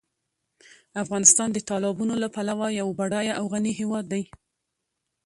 افغانستان د تالابونو له پلوه یو بډایه او غني هېواد دی.